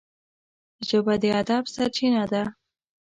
ژبه د ادب سرچینه ده